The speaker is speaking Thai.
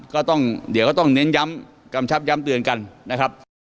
ก็ต้องเดี๋ยวก็ต้องเน้นย้ำกำชับย้ำเตือนกันนะครับ